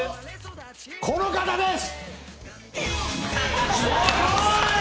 この方です！